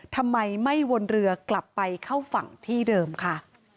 ทำไมไม่วนเรือกลับไปเข้าฝั่งที่เดิมค่ะ